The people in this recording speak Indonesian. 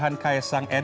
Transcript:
dan saya astrid fiar